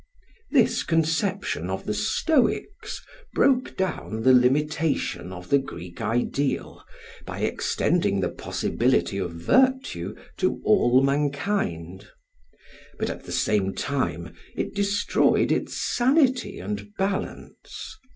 This conception of the Stoics broke down the limitation of the Greek ideal by extending the possibility of virtue to all mankind. But at the same time it destroyed its sanity and balance.